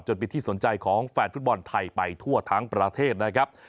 จนเป็นที่สนใจของแฟนฟุตบอลไทยไปทั่วทั้งประเทศนะครับ